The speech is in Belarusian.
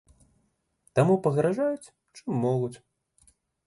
Таму пагражаюць, чым могуць.